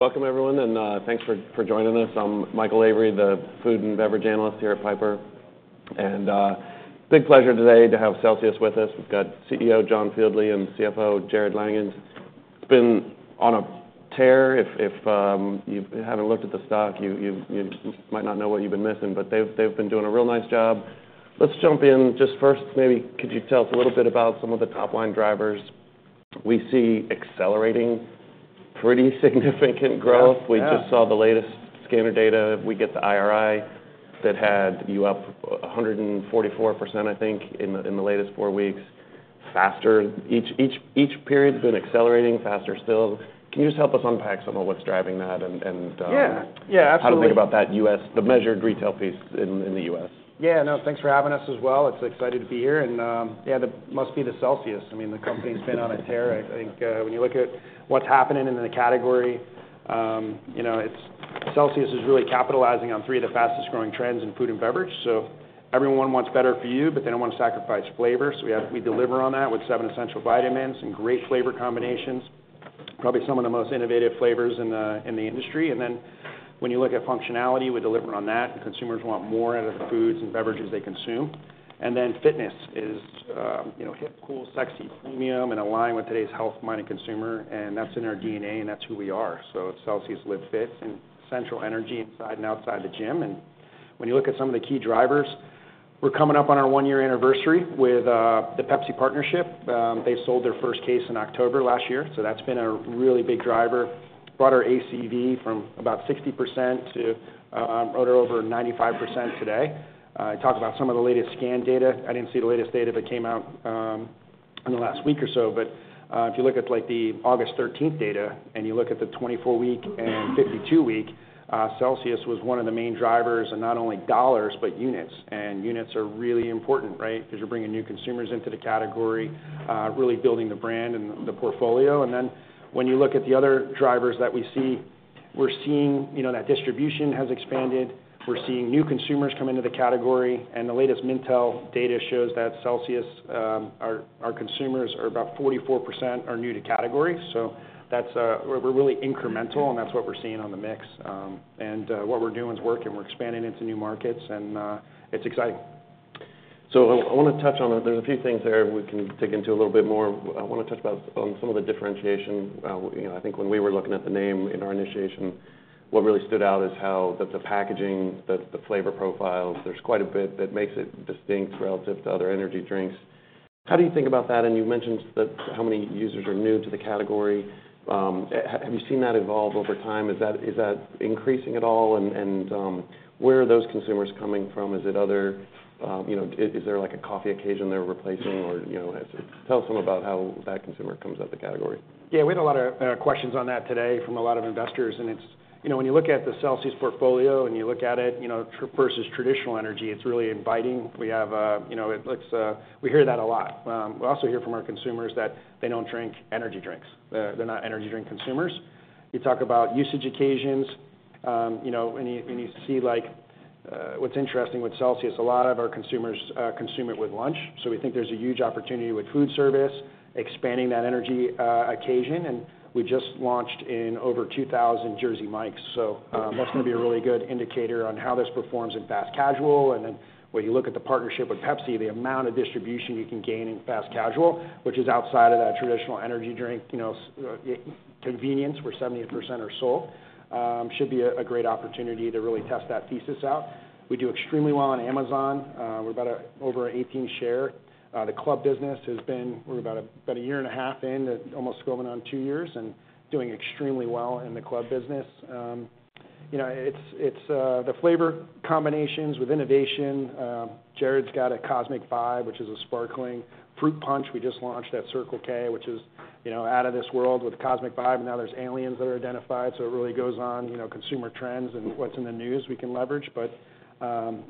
Welcome, everyone, and thanks for joining us. I'm Michael Lavery, the food and beverage analyst here at Piper. And big pleasure today to have Celsius with us. We've got CEO John Fieldly and CFO Jarrod Langhans. It's been on a tear. If you haven't looked at the stock, you might not know what you've been missing, but they've been doing a real nice job. Let's jump in. Just first, maybe could you tell us a little bit about some of the top-line drivers? We see accelerating pretty significant growth. Yeah, yeah. We just saw the latest scanner data. We get the IRI that had you up 144%, I think, in the latest four weeks. Faster, each period has been accelerating faster still. Can you just help us unpack some of what's driving that and, Yeah. Yeah, absolutely. How to think about that US... the measured retail piece in the US? Yeah, no, thanks for having us as well. It's exciting to be here, and, yeah, it must be the Celsius. I mean, the company's been on a tear. I think, when you look at what's happening in the category, you know, it's Celsius is really capitalizing on three of the fastest-growing trends in food and beverage. So everyone wants better for you, but they don't want to sacrifice flavor. So we deliver on that with seven essential vitamins and great flavor combinations, probably some of the most innovative flavors in the industry. And then, when you look at functionality, we deliver on that. The consumers want more out of the foods and beverages they consume. And then fitness is, you know, hip, cool, sexy, premium, and align with today's health-minded consumer, and that's in our DNA, and that's who we are. So at Celsius, Live Fit and Essential Energy inside and outside the gym. And when you look at some of the key drivers, we're coming up on our 1-year anniversary with the Pepsi partnership. They sold their first case in October last year, so that's been a really big driver. Brought our ACV from about 60% to over 95% today. I talked about some of the latest scan data. I didn't see the latest data that came out in the last week or so. But if you look at, like, the August thirteenth data, and you look at the 24-week and 52-week, Celsius was one of the main drivers in not only dollars, but units. And units are really important, right? Because you're bringing new consumers into the category, really building the brand and the portfolio. And then, when you look at the other drivers that we see, we're seeing, you know, that distribution has expanded. We're seeing new consumers come into the category, and the latest Mintel data shows that Celsius, our consumers are about 44% new to category. So that's, we're really incremental, and that's what we're seeing on the mix. And what we're doing is working. We're expanding into new markets, and it's exciting. So I want to touch on... There's a few things there we can dig into a little bit more. I want to touch on some of the differentiation. You know, I think when we were looking at the name in our initiation, what really stood out is how the packaging, the flavor profiles, there's quite a bit that makes it distinct relative to other energy drinks. How do you think about that? And you mentioned that how many users are new to the category. Have you seen that evolve over time? Is that increasing at all? And where are those consumers coming from? Is it other, you know, is there like a coffee occasion they're replacing or, you know, has... Tell us more about how that consumer comes to the category. Yeah, we had a lot of questions on that today from a lot of investors. And it's, you know, when you look at the Celsius portfolio and you look at it, you know, versus traditional energy, it's really inviting. We have, you know, it looks... We hear that a lot. We also hear from our consumers that they don't drink energy drinks. They're not energy drink consumers. You talk about usage occasions, you know, and you see, like, what's interesting with Celsius, a lot of our consumers consume it with lunch. So we think there's a huge opportunity with food service, expanding that energy occasion. And we just launched in over 2,000 Jersey Mike's, so that's going to be a really good indicator on how this performs in fast casual. Then, when you look at the partnership with Pepsi, the amount of distribution you can gain in fast casual, which is outside of that traditional energy drink, you know, convenience, where 78% are sold, should be a great opportunity to really test that thesis out. We do extremely well on Amazon. We're about over 18% share. The club business has been, we're about a year and a half in, almost going on two years, and doing extremely well in the club business. You know, the flavor combinations with innovation. Jarrod's got a Cosmic Vibe, which is a sparkling fruit punch. We just launched at Circle K, which is, you know, out of this world with Cosmic Vibe. Now, there's aliens that are identified, so it really goes on, you know, consumer trends and what's in the news we can leverage. But,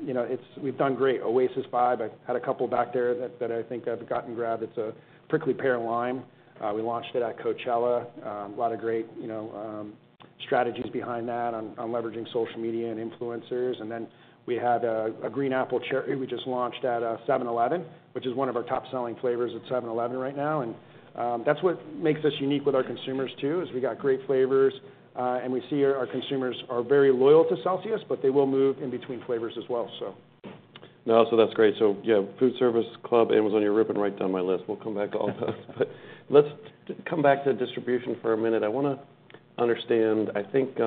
you know, it's. We've done great. Oasis Vibe, I've had a couple back there that I think I've gotten grabbed. It's a prickly pear lime. We launched it at Coachella. A lot of great, you know, strategies behind that on leveraging social media and influencers. And then we had a Green Apple Cherry we just launched at 7-Eleven, which is one of our top-selling flavors at 7-Eleven right now. And, that's what makes us unique with our consumers, too, is we got great flavors, and we see our consumers are very loyal to Celsius, but they will move in between flavors as well, so. No, so that's great. So yeah, food service, club, Amazon, you're ripping right down my list. We'll come back to all those. But let's come back to distribution for a minute. I want to understand... I think,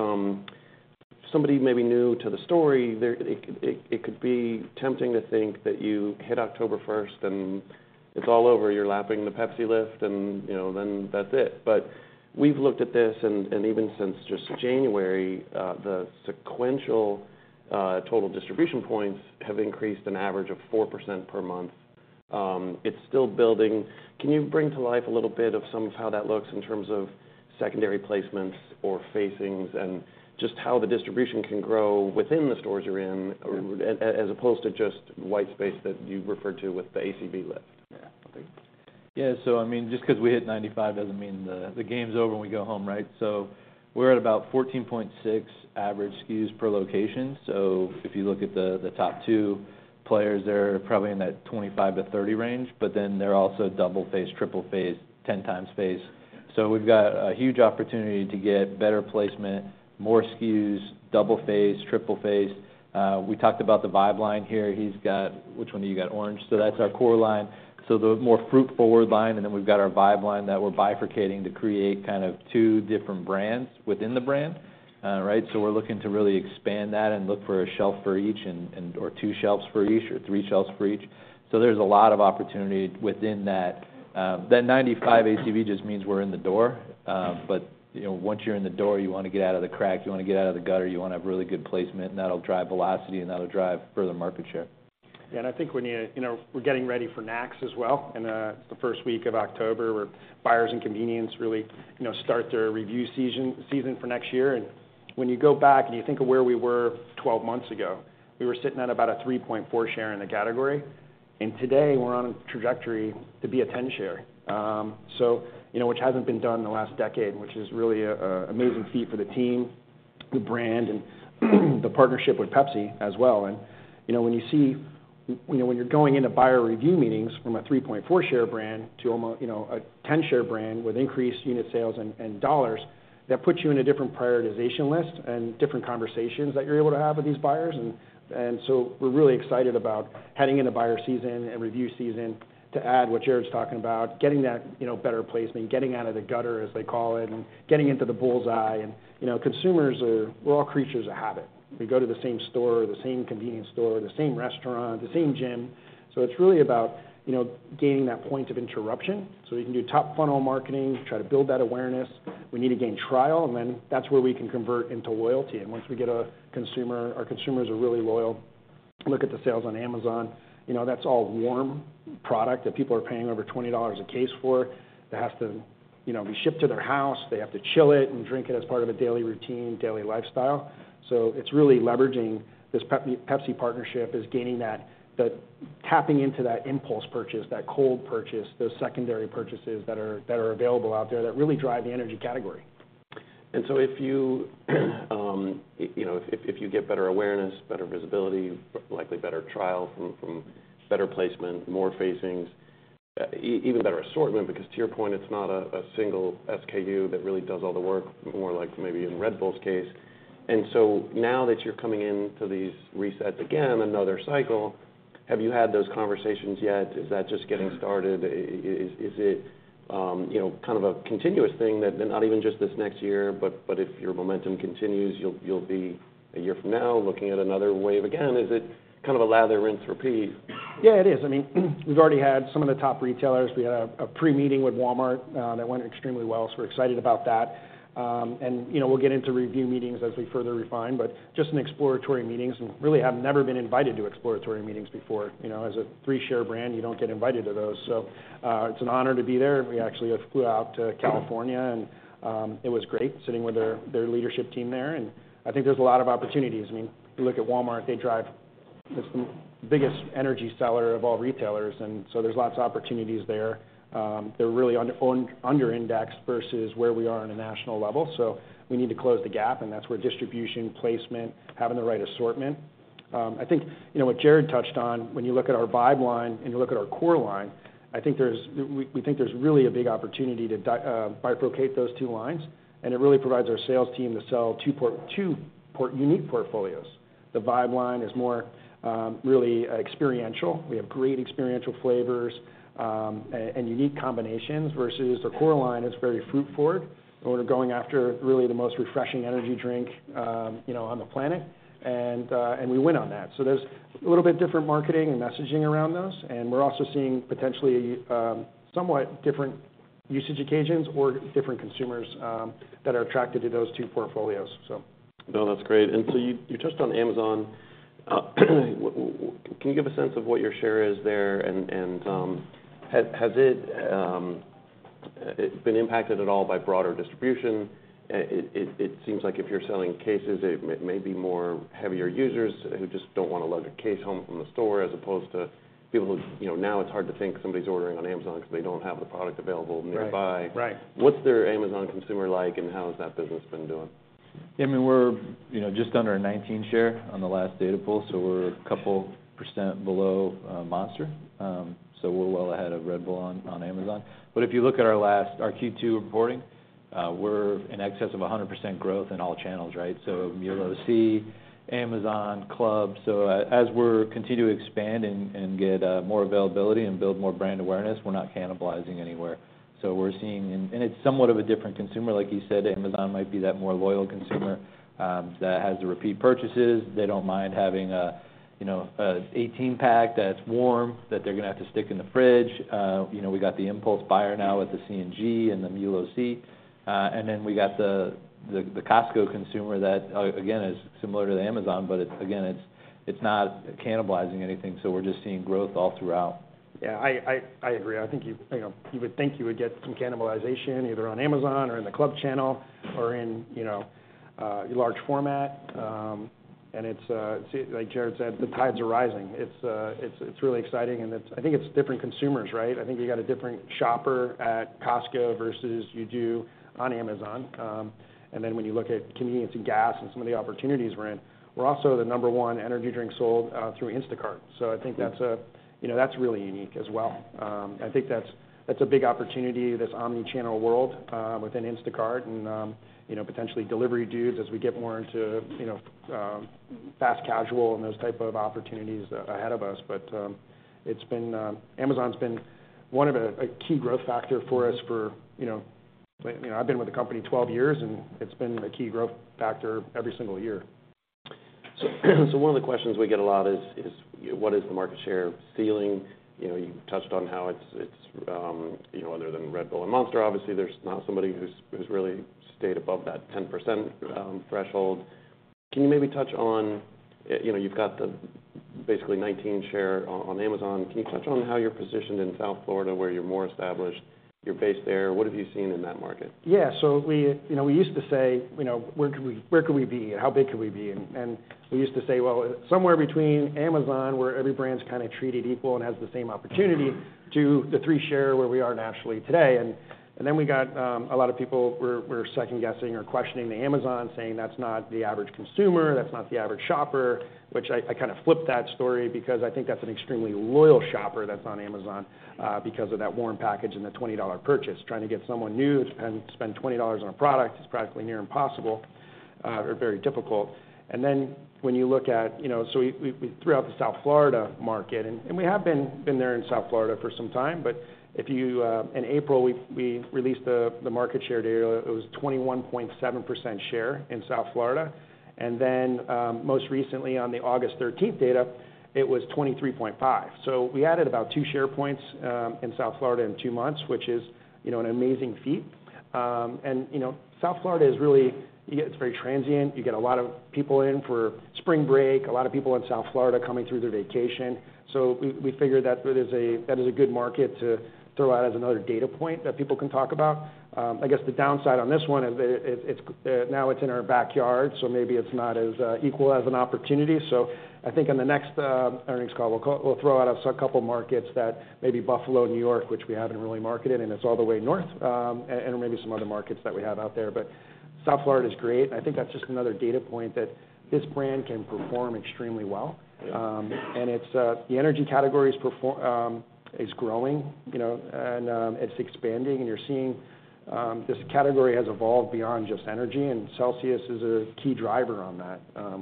somebody maybe new to the story, there, could be tempting to think that you hit October first, and it's all over. You're lapping the Pepsi list, and, you know, then that's it. But we've looked at this, and even since just January, the sequential total distribution points have increased an average of 4% per month. It's still building. Can you bring to life a little bit of some of how that looks in terms of secondary placements or facings and just how the distribution can grow within the stores you're in, as opposed to just white space that you referred to with the ACV list? Yeah. Okay.... Yeah, so I mean, just because we hit 95 doesn't mean the game's over and we go home, right? So we're at about 14.6 average SKUs per location. So if you look at the top two players, they're probably in that 25-30 range, but then they're also double faced, triple faced, 10 times faced. So we've got a huge opportunity to get better placement, more SKUs, double faced, triple faced. We talked about the Vibe line here. He's got. Which one do you got? Orange. So that's our core line. So the more fruit-forward line, and then we've got our Vibe line that we're bifurcating to create kind of two different brands within the brand, right? So we're looking to really expand that and look for a shelf for each or two shelves for each, or three shelves for each. So there's a lot of opportunity within that. That 95 ACV just means we're in the door, but, you know, once you're in the door, you wanna get out of the crack, you wanna get out of the gutter, you wanna have really good placement, and that'll drive velocity, and that'll drive further market share. Yeah, and I think when you... You know, we're getting ready for NACS as well, in the first week of October, where buyers and convenience really, you know, start their review season for next year. And when you go back and you think of where we were 12 months ago, we were sitting at about a 3.4% share in the category, and today, we're on a trajectory to be a 10% share. So, you know, which hasn't been done in the last decade, which is really an amazing feat for the team, the brand, and the partnership with Pepsi as well. You know, when you see, you know, when you're going into buyer review meetings from a 3.4% share brand to, you know, a 10% share brand with increased unit sales and, and dollars, that puts you in a different prioritization list and different conversations that you're able to have with these buyers. And so we're really excited about heading into buyer season and review season to add what Jared's talking about, getting that, you know, better placement, getting out of the gutter, as they call it, and getting into the bull's eye. You know, consumers are, we're all creatures of habit. We go to the same store, the same convenience store, the same restaurant, the same gym. So it's really about, you know, gaining that point of interruption. So we can do top funnel marketing to try to build that awareness. We need to gain trial, and then that's where we can convert into loyalty. And once we get a consumer, our consumers are really loyal. Look at the sales on Amazon, you know, that's all warm product that people are paying over $20 a case for. That has to, you know, be shipped to their house. They have to chill it and drink it as part of a daily routine, daily lifestyle. So it's really leveraging this Pepsi partnership is gaining that, the tapping into that impulse purchase, that cold purchase, those secondary purchases that are available out there that really drive the energy category. And so if you get better awareness, better visibility, likely better trial from better placement, more facings, even better assortment, because to your point, it's not a single SKU that really does all the work, more like maybe in Red Bull's case. And so now that you're coming into these resets again, another cycle, have you had those conversations yet? Is that just getting started? Is it, you know, kind of a continuous thing that not even just this next year, but if your momentum continues, you'll be a year from now, looking at another wave again? Is it kind of a lather, rinse, repeat? Yeah, it is. I mean, we've already had some of the top retailers. We had a pre-meeting with Walmart that went extremely well, so we're excited about that. And you know, we'll get into review meetings as we further refine, but just some exploratory meetings, and really have never been invited to exploratory meetings before. You know, as a 3-share brand, you don't get invited to those. So it's an honor to be there. We actually flew out to California, and it was great sitting with their leadership team there, and I think there's a lot of opportunities. I mean, if you look at Walmart, they drive... It's the biggest energy seller of all retailers, and so there's lots of opportunities there. They're really under-indexed versus where we are on a national level. So we need to close the gap, and that's where distribution, placement, having the right assortment. I think, you know, what Jarrod touched on, when you look at our Vibe line and you look at our core line, we think there's really a big opportunity to bifurcate those two lines, and it really provides our sales team to sell two unique portfolios. The Vibe line is more, really, experiential. We have great experiential flavors and unique combinations, versus the core line is very fruit-forward, and we're going after really the most refreshing energy drink, you know, on the planet, and we win on that. So there's a little bit different marketing and messaging around those, and we're also seeing potentially, somewhat different usage occasions or different consumers, that are attracted to those two portfolios, so. No, that's great. And so you touched on Amazon. Can you give a sense of what your share is there, and has it been impacted at all by broader distribution? It seems like if you're selling cases, it may be more heavier users who just don't wanna lug a case home from the store, as opposed to people who, you know, now it's hard to think somebody's ordering on Amazon because they don't have the product available nearby. Right. Right. What's their Amazon consumer like, and how has that business been doing? I mean, we're, you know, just under a 19% share on the last data pool, so we're a couple% below Monster. So we're well ahead of Red Bull on Amazon. But if you look at our last, our Q2 reporting, we're in excess of 100% growth in all channels, right? So MULO-C, Amazon, Club. So as we're continue to expand and get more availability and build more brand awareness, we're not cannibalizing anywhere. So we're seeing... And it's somewhat of a different consumer. Like he said, Amazon might be that more loyal consumer that has the repeat purchases. They don't mind having a, you know, a 18-pack that's warm, that they're gonna have to stick in the fridge. You know, we got the impulse buyer now with the C&G and the MULO-C. And then we got the Costco consumer that, again, is similar to the Amazon, but again, it's not cannibalizing anything, so we're just seeing growth all throughout. Yeah, I agree. I think you know, you would think you would get some cannibalization either on Amazon or in the club channel or in, you know, large format. And it's, like Jarrod said, the tides are rising. It's really exciting, and it's—I think it's different consumers, right? I think you got a different shopper at Costco versus you do on Amazon. And then when you look at convenience and gas and some of the opportunities we're in, we're also the number one energy drink sold through Instacart. So I think that's, you know, that's really unique as well. I think that's a big opportunity, this omni-channel world, within Instacart and, you know, potentially Delivery Dudes as we get more into, you know, fast casual and those type of opportunities ahead of us. But, it's been... Amazon's been one of a key growth factor for us for, you know, I mean, I've been with the company 12 years, and it's been a key growth factor every single year. So one of the questions we get a lot is: What is the market share ceiling? You know, you've touched on how it's, you know, other than Red Bull and Monster, obviously, there's not somebody who's really stayed above that 10% threshold. Can you maybe touch on, you know, you've got the basically 19% share on Amazon. Can you touch on how you're positioned in South Florida, where you're more established, you're based there? What have you seen in that market? Yeah. So we, you know, we used to say, you know, where could we, where could we be and how big could we be? And we used to say, "Well, somewhere between Amazon, where every brand's kind of treated equal and has the same opportunity, to the 3% share where we are nationally today." And then we got a lot of people were second-guessing or questioning the Amazon, saying, "That's not the average consumer, that's not the average shopper," which I kind of flipped that story because I think that's an extremely loyal shopper that's on Amazon because of that warm package and the $20 purchase. Trying to get someone new to spend $20 on a product is practically near impossible or very difficult. And then, when you look at, you know, so we throughout the South Florida market, and we have been there in South Florida for some time. But if you In April, we released the market share data. It was 21.7% share in South Florida, and then, most recently, on the August thirteenth data, it was 23.5. So we added about 2 share points in South Florida in 2 months, which is, you know, an amazing feat. And, you know, South Florida is really. It's very transient. You get a lot of people in for spring break, a lot of people in South Florida coming through their vacation. So we figured that that is a good market to throw out as another data point that people can talk about. I guess the downside on this one is that it's now in our backyard, so maybe it's not as equal as an opportunity. So I think on the next earnings call, we'll throw out a couple markets that, maybe Buffalo, New York, which we haven't really marketed, and it's all the way north, and maybe some other markets that we have out there. But South Florida is great, and I think that's just another data point that this brand can perform extremely well. And it's the energy category is growing, you know, and it's expanding, and you're seeing this category has evolved beyond just energy, and Celsius is a key driver on that.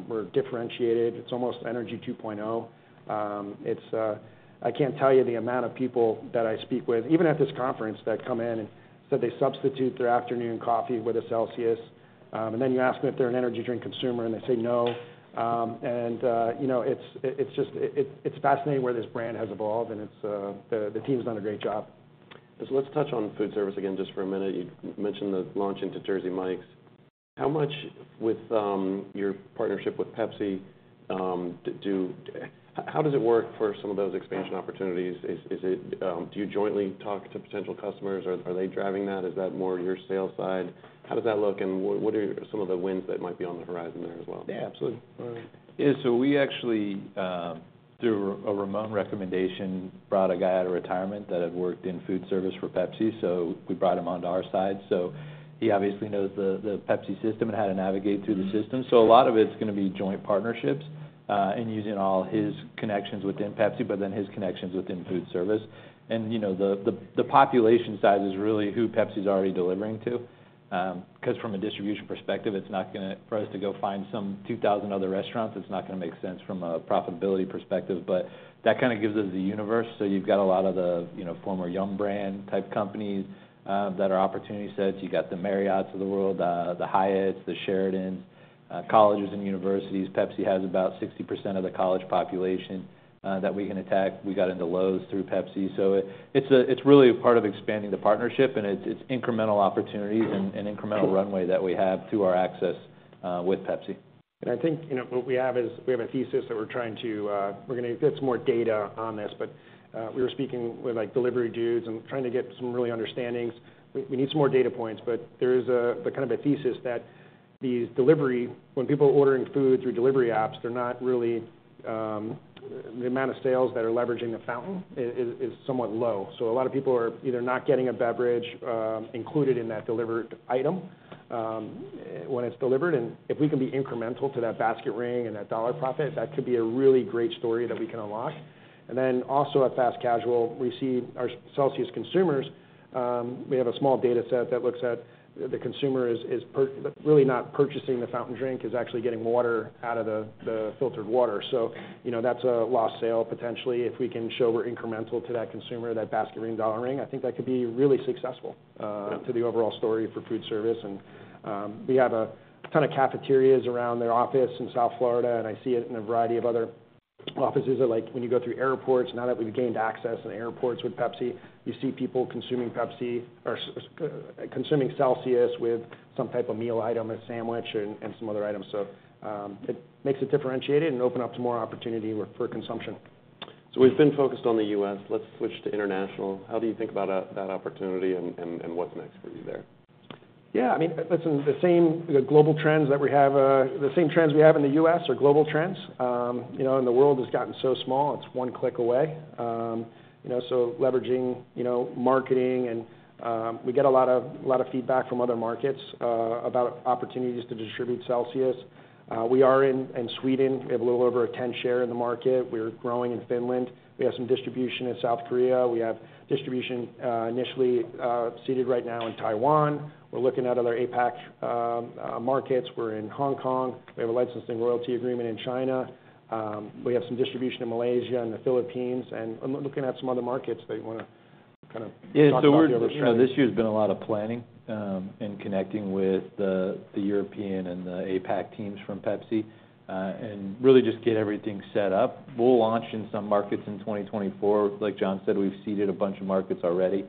We're differentiated. It's almost Energy 2.0. It's... I can't tell you the amount of people that I speak with, even at this conference, that come in and said they substitute their afternoon coffee with a Celsius. And then you ask them if they're an energy drink consumer, and they say, "No." You know, it's just fascinating where this brand has evolved, and it's the team's done a great job. So let's touch on food service again just for a minute. You mentioned the launch into Jersey Mike's. With your partnership with Pepsi, how does it work for some of those expansion opportunities? Is it do you jointly talk to potential customers, or are they driving that? Is that more your sales side? How does that look, and what are some of the wins that might be on the horizon there as well? Yeah, absolutely. Yeah, so we actually, through a Ramon recommendation, brought a guy out of retirement that had worked in food service for Pepsi, so we brought him onto our side. So he obviously knows the Pepsi system and how to navigate through the system. So a lot of it's gonna be joint partnerships, and using all his connections within Pepsi, but then his connections within food service. And, you know, the population size is really who Pepsi is already delivering to. 'Cause from a distribution perspective, it's not gonna—for us to go find some 2,000 other restaurants, it's not gonna make sense from a profitability perspective. But that kind of gives us the universe, so you've got a lot of the, you know, former young brand type companies, that are opportunity sets. You've got the Marriotts of the world, the Hyatts, the Sheratons, colleges and universities. Pepsi has about 60% of the college population that we can attack. We got into Lowe's through Pepsi, so it, it's a, it's really a part of expanding the partnership, and it's, it's incremental opportunities and, and incremental runway that we have to our access, with Pepsi. And I think, you know, what we have is, we have a thesis that we're trying to, we're gonna get some more data on this, but, we were speaking with, like, Delivery Dudes and trying to get some really understandings. We, we need some more data points, but there is a, the kind of a thesis that these delivery, when people are ordering food through delivery apps, they're not really... The amount of sales that are leveraging the fountain is, is, is somewhat low. So a lot of people are either not getting a beverage, included in that delivered item, when it's delivered, and if we can be incremental to that basket ring and that dollar profit, that could be a really great story that we can unlock. And then also, at fast casual, we see our Celsius consumers. We have a small data set that looks at the consumer really not purchasing the fountain drink, is actually getting water out of the filtered water. So, you know, that's a lost sale, potentially. If we can show we're incremental to that consumer, that basket ring, dollar ring, I think that could be really successful. Yeah... to the overall story for food service. And we have a ton of cafeterias around the office in South Florida, and I see it in a variety of other offices, like when you go through airports, now that we've gained access in airports with Pepsi, you see people consuming Pepsi or consuming Celsius with some type of meal item, a sandwich, and some other items. So, it makes it differentiated and open up to more opportunity with for consumption. So we've been focused on the U.S. Let's switch to international. How do you think about that opportunity, and what's next for you there? Yeah, I mean, listen, the same, the global trends that we have, the same trends we have in the U.S. are global trends. You know, and the world has gotten so small, it's one click away. You know, so leveraging, you know, marketing and, we get a lot of, lot of feedback from other markets, about opportunities to distribute Celsius. We are in Sweden. We have a little over a 10% share in the market. We're growing in Finland. We have some distribution in South Korea. We have distribution, initially, seeded right now in Taiwan. We're looking at other APAC markets. We're in Hong Kong. We have a licensing royalty agreement in China. We have some distribution in Malaysia and the Philippines, and I'm looking at some other markets that you wanna kind of talk about here? Yeah, so we're you know, this year has been a lot of planning, and connecting with the, the European and the APAC teams from Pepsi, and really just get everything set up. We'll launch in some markets in 2024. Like John said, we've seeded a bunch of markets already,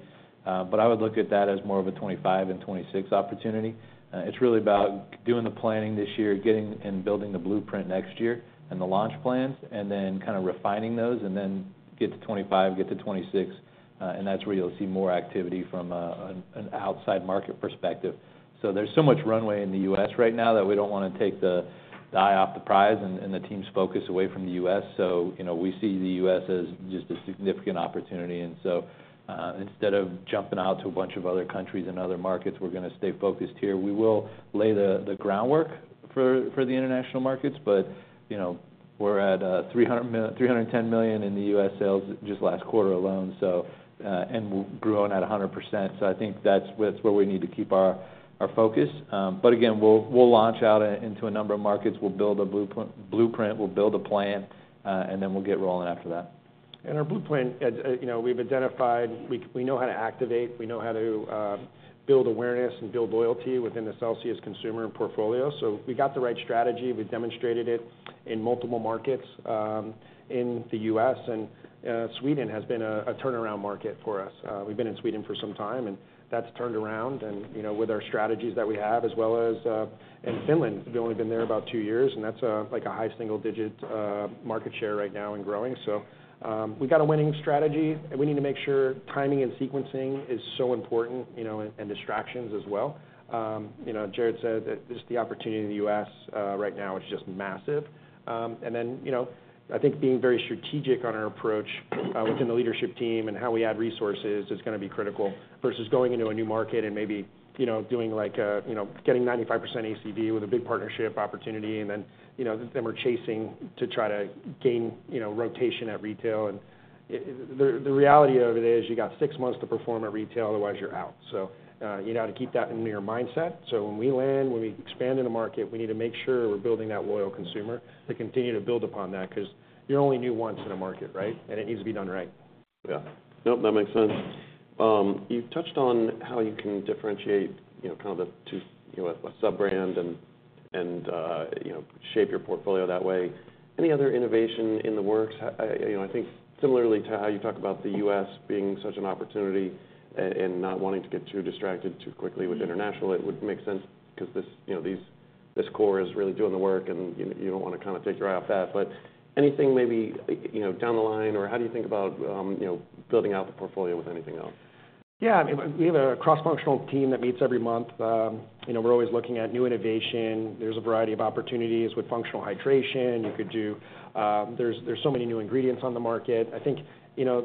but I would look at that as more of a 2025 and 2026 opportunity. It's really about doing the planning this year, getting and building the blueprint next year and the launch plans, and then kind of refining those, and then get to 2025, get to 2026, and that's where you'll see more activity from a, an outside market perspective. So there's so much runway in the US right now that we don't wanna take the eye off the prize and, and the team's focus away from the US. So, you know, we see the US as just a significant opportunity, and so, instead of jumping out to a bunch of other countries and other markets, we're gonna stay focused here. We will lay the groundwork for the international markets, but, you know, we're at $310 million in the US sales just last quarter alone, so... We're growing at 100%. So I think that's where we need to keep our focus. But again, we'll launch out into a number of markets. We'll build a blueprint. We'll build a plan, and then we'll get rolling after that. Our blueprint, as you know, we've identified, we know how to activate, we know how to build awareness and build loyalty within the Celsius consumer portfolio. So we got the right strategy. We've demonstrated it in multiple markets, in the US, and Sweden has been a turnaround market for us. We've been in Sweden for some time, and that's turned around and, you know, with our strategies that we have, as well as in Finland, we've only been there about two years, and that's like a high single digit market share right now and growing. So we've got a winning strategy, and we need to make sure timing and sequencing is so important, you know, and distractions as well. You know, Jared said that just the opportunity in the US right now is just massive. And then, you know, I think being very strategic on our approach within the leadership team and how we add resources is gonna be critical, versus going into a new market and maybe, you know, doing like, you know, getting 95% ACV with a big partnership opportunity and then, you know, then we're chasing to try to gain, you know, rotation at retail. And the reality of it is, you got six months to perform at retail, otherwise you're out. So you got to keep that in your mindset. So when we land, when we expand in the market, we need to make sure we're building that loyal consumer to continue to build upon that, 'cause you're only new once in a market, right? And it needs to be done right. Yeah. Nope, that makes sense. You've touched on how you can differentiate, you know, kind of the two, you know, a sub-brand and, and, you know, shape your portfolio that way. Any other innovation in the works? You know, I think similarly to how you talk about the U.S. being such an opportunity and not wanting to get too distracted too quickly with international, it would make sense because this, you know, this core is really doing the work, and you, you don't wanna kind of take your eye off that. But anything maybe, you know, down the line, or how do you think about, you know, building out the portfolio with anything else? Yeah, I mean, we have a cross-functional team that meets every month. You know, we're always looking at new innovation. There's a variety of opportunities with functional hydration, you could do. There's so many new ingredients on the market. I think, you know,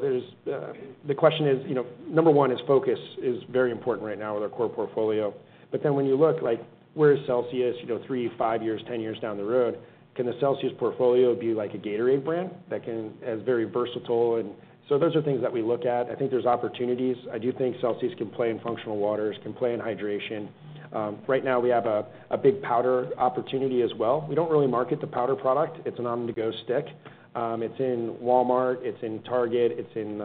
the question is, you know, number one is focus, is very important right now with our core portfolio. But then when you look, like, where is Celsius, you know, 3, 5 years, 10 years down the road, can the Celsius portfolio be like a Gatorade brand that can—as very versatile? And so those are things that we look at. I think there's opportunities. I do think Celsius can play in functional waters, can play in hydration. Right now we have a big powder opportunity as well. We don't really market the powder product. It's an on-the-go stick. It's in Walmart, it's in Target, it's in...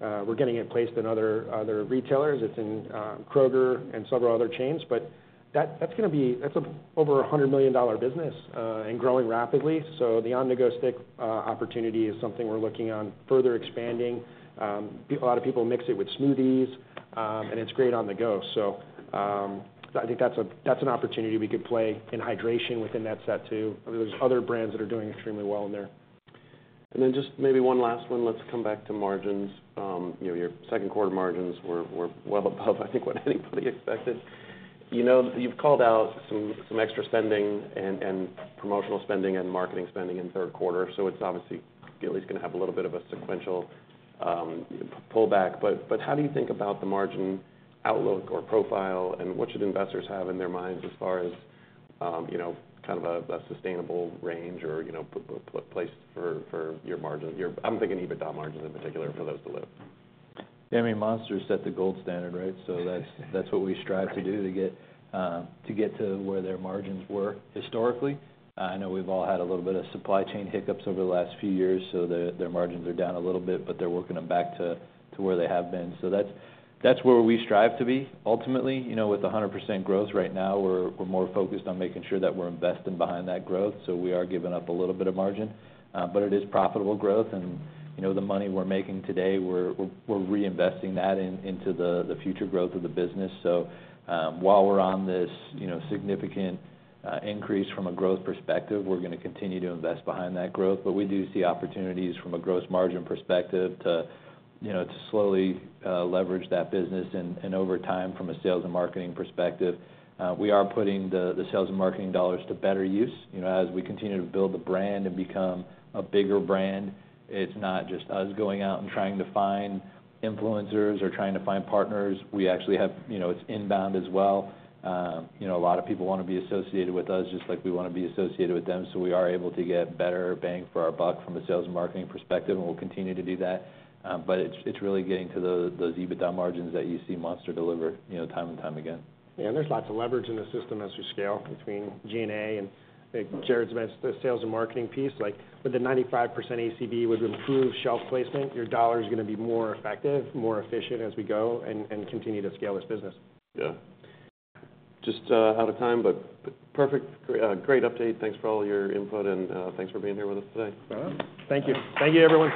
We're getting it placed in other retailers. It's in Kroger and several other chains, but that's gonna be—that's over a $100 million business, and growing rapidly. So the on-the-go stick opportunity is something we're looking on further expanding. A lot of people mix it with smoothies, and it's great on the go. So I think that's an opportunity we could play in hydration within that set too. I mean, there's other brands that are doing extremely well in there. And then just maybe one last one. Let's come back to margins. You know, your second quarter margins were well above, I think, what anybody expected. You know, you've called out some extra spending and promotional spending and marketing spending in the third quarter, so it's obviously at least gonna have a little bit of a sequential pullback. But how do you think about the margin outlook or profile, and what should investors have in their minds as far as, you know, where we strive to be ultimately. You know, with 100% growth right now, we're more focused on making sure that we're investing behind that growth, so we are giving up a little bit of margin. But it is profitable growth and, you know, the money we're making today, we're reinvesting that into the future growth of the business. So, while we're on this, you know, significant increase from a growth perspective, we're gonna continue to invest behind that growth. But we do see opportunities from a gross margin perspective to, you know, to slowly leverage that business. And, and over time, from a sales and marketing perspective, we are putting the sales and marketing dollars to better use. You know, as we continue to build the brand and become a bigger brand, it's not just us going out and trying to find influencers or trying to find partners. We actually have... you know, it's inbound as well. You know, a lot of people wanna be associated with us, just like we wanna be associated with them, so we are able to get better bang for our buck from a sales and marketing perspective, and we'll continue to do that. But it's really getting to those EBITDA margins that you see Monster deliver, you know, time and time again. There's lots of leverage in the system as you scale between G&A and, like, Jarrod's mentioned, the sales and marketing piece. Like, with the 95% ACV with improved shelf placement, your dollar is gonna be more effective, more efficient as we go, and continue to scale this business. Yeah. Just out of time, but perfect. Great update. Thanks for all your input, and thanks for being here with us today. Uh-huh. Thank you. Thank you, everyone.